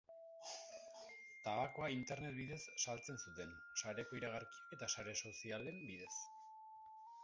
Tabakoa internet bidez saltzen zuten, sareko iragarkiak eta sare sozialen bidez.